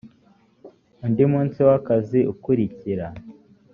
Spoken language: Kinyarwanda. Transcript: undi munsi w akazi ukurikira